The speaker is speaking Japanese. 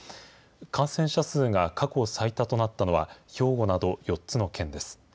感染者数が過去最多となったのは、兵庫など４つの県です。